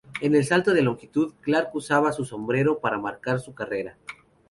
En el salto de longitud, Clark usaba su sombrero para marcar su carrera.